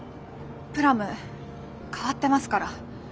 ぷらむ変わってますから。